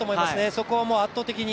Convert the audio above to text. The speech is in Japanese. そこは圧倒的に。